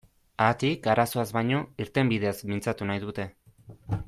Haatik, arazoaz baino, irtenbideez mintzatu nahi dute.